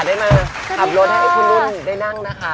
ได้มาขับรถให้คุณนุ่นได้นั่งนะคะ